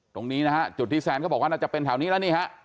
ตรงนี้นะฮะจุดที่แซนเขาบอกว่าน่าจะเป็นแถวนี้แล้วนี่ฮะ